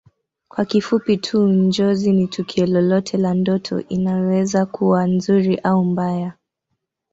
Kwa kifupi tu Njozi ni tukio lolote la ndoto inaweza kuwa nzuri au mbaya